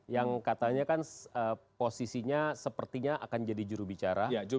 yang katanya kan posisinya sepertinya akan jadi jurubicara